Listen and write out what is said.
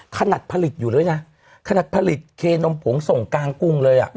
ขณัดผลิตอยู่เลยขณัดผลิตเคนมผงส่งก่างกรุ่งเลย